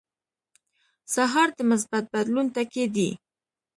سهار د مثبت بدلون ټکي دي.